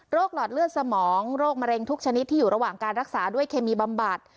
หลอดเลือดสมองโรคมะเร็งทุกชนิดที่อยู่ระหว่างการรักษาด้วยเคมีบำบัด